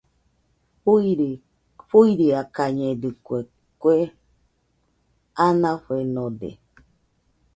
Fuiakañedɨkue, kue anafenode.